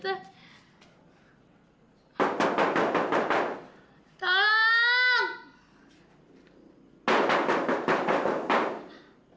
tolong keluarin asma